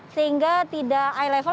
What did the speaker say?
sehingga tidak eye level